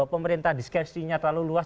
pemerintah diskretinya terlalu luas